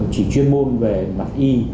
chỉ chuyên môn về mặt y